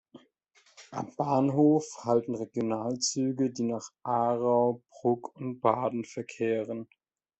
Am Bahnhof halten Regionalzüge, die nach Aarau, Brugg und Baden verkehren.